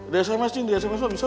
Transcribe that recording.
di sms cinta bisa maksudnya